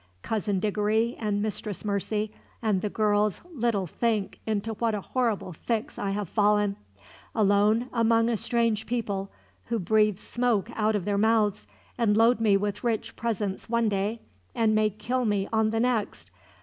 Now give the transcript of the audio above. Cousin Diggory, and Mistress Mercy, and the girls little think into what a horrible fix I have fallen alone among a strange people, who breathe smoke out of their mouths, and load me with rich presents one day, and may kill me on the next.